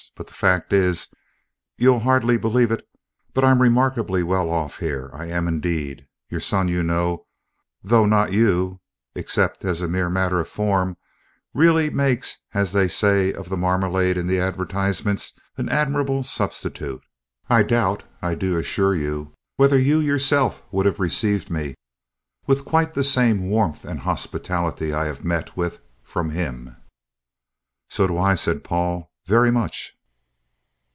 But the fact, is, you'll hardly believe it, but I'm remarkably well off here. I am indeed. Your son, you know, though not you (except as a mere matter of form), really makes, as they say of the marmalade in the advertisements, an admirable substitute. I doubt, I do assure you, whether you yourself would have received me with quite the same warmth and hospitality I have met with from him." "So do I," said Paul; "very much."